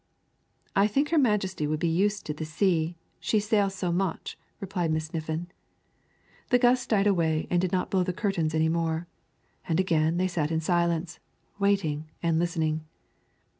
"I think her Majesty must be used to the sea, she sails so much," replied Miss Niffin. The gust died away and did not blow the curtains any more, and again they sat in silence, waiting and listening.